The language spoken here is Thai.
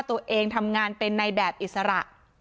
ตัวเองทำงานเป็นในแบบอิสระ